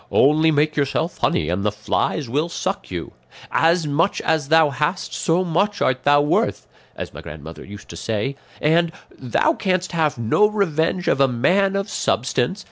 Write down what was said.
'Only make yourself honey and the flies will suck you;' 'as much as thou hast so much art thou worth,' as my grandmother used to say; and 'thou canst have no revenge of a man of substance.